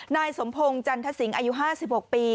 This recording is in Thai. นายสมพงศ์จันทสิงศ์อายุ๕๖ปี